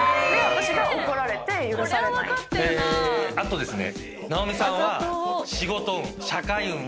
あとですね。